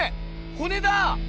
骨だ！